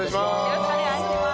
よろしくお願いします。